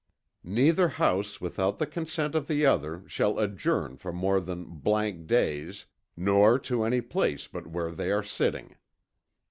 Neither house without the consent of the other shall adjourn for more than days nor to any Place but where they are sitting.